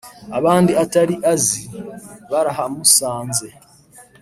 abandi atari azi barahamusanze.